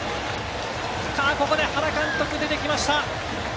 ここで原監督、出てきました。